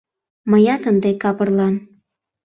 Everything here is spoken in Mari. — Мыят ынде капырлан